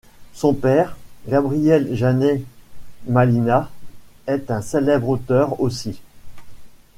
Son père, Gabriel Janer Manila, est un célèbre auteur aussi.